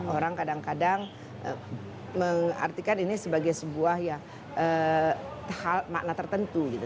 orang kadang kadang mengartikan ini sebagai sebuah ya makna tertentu gitu